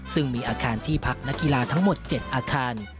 ซึ่งมีอาคารที่พักนักกีฬาทั้งหมด๗อาคาร